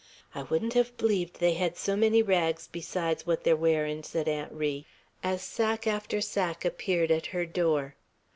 "I wouldn't hev bleeved they hed so many rags besides what they're wearin'," said Aunt Ri, as sack after sack appeared at her door.